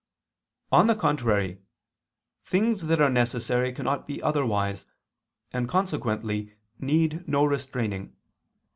On the contrary, Things that are necessary cannot be otherwise, and consequently need no restraining.